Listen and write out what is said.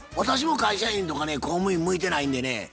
私も会社員とかね公務員向いてないんでね